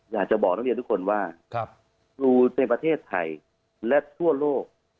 อยากจะบอกนักเรียนทุกคนว่าอยู่ในประเทศไทยและทั่วโลก